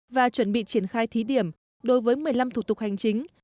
và chuẩn bị triển khai thí điểm đối với một mươi năm thủ tục hành chính